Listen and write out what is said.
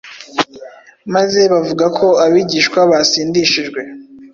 maze bavuga ko abigishwa basindishijwe